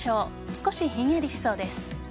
少しひんやりしそうです。